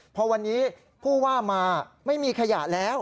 พอวันนี้ผู้ว่ามาไม่มีขยะแล้ว